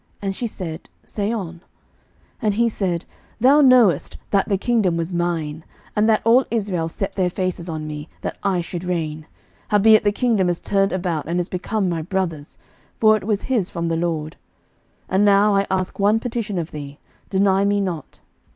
And she said, Say on. 11:002:015 And he said, Thou knowest that the kingdom was mine, and that all Israel set their faces on me, that I should reign: howbeit the kingdom is turned about, and is become my brother's: for it was his from the LORD. 11:002:016 And now I ask one petition of thee, deny me not.